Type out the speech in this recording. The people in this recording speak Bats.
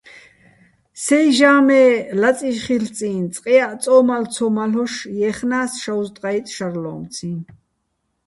სეჲ ჟა́მე ლაწი́შ ხილ'წიჼ, წყეაჸ წო́მალ ცო მალ'ოშ ჲე́ხნა́ს შაუზტყა́იტტ შარლო́მციჼ.